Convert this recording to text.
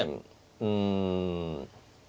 うん。